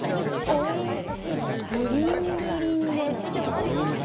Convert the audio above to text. おいしい、ぶりんぶりんで。